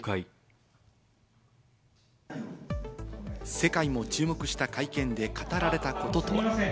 世界も注目した会見で語られたこととは？